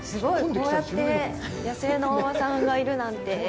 こうやって野生のお馬さんがいるなんて。